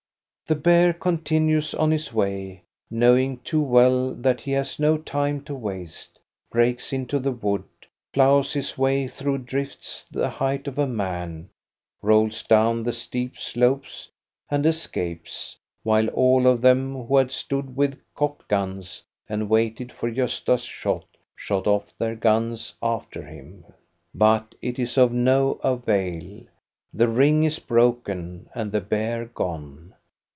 The bear continues on his way, knowing too well that he has no time to waste, breaks into the wood, ploughs his way through drifts the height of a man, rolls down the steep slopes, and escapes, while all of them, who had stood with cocked guns and waited for Gosta's shot, shoot off their guns after him. But it is of no avail ; the ring is broken, and the bear gone.